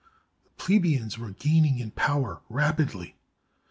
The plebeians were gaining in power rapidly.